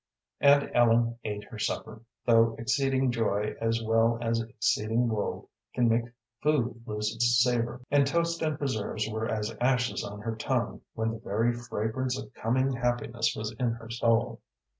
And Ellen ate her supper, though exceeding joy as well as exceeding woe can make food lose its savor, and toast and preserves were as ashes on her tongue when the very fragrance of coming happiness was in her soul.